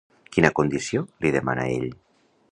Quina condició li demana ell?